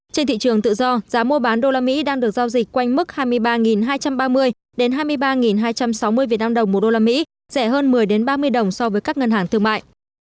trên thị trường tự do giá mua bán đô la mỹ đang được giao dịch quanh mức hai mươi ba hai trăm ba mươi hai mươi ba hai trăm sáu mươi việt nam đồng một đô la mỹ rẻ hơn một mươi ba mươi đồng so với các ngân hàng thương mại